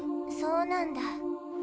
そうなんだ。